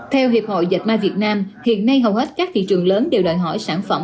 theo hiệp hội dệt may việt nam hiện nay hầu hết các thị trường lớn đều đòi hỏi sản phẩm